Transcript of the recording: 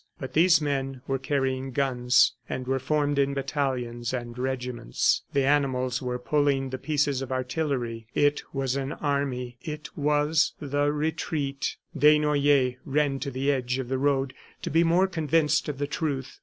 But these men were carrying guns and were formed in battalions and regiments. The animals were pulling the pieces of artillery. It was an army. ... It was the retreat! Desnoyers ran to the edge of the road to be more convinced of the truth.